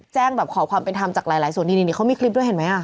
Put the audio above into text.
แบบขอความเป็นธรรมจากหลายส่วนนี่เขามีคลิปด้วยเห็นไหม